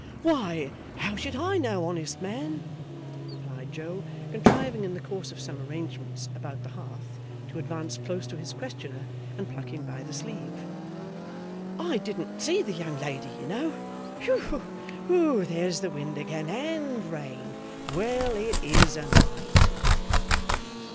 'Why, how should I know, honest man?' replied Joe, contriving in the course of some arrangements about the hearth, to advance close to his questioner and pluck him by the sleeve, 'I didn't see the young lady, you know. Whew! There's the wind again AND rain well it IS a night!